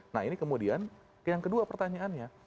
nah ini kemudian yang kedua pertanyaannya